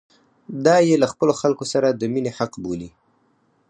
دا یې له خپلو خلکو سره د مینې حق بولي.